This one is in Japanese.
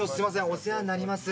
お世話になります。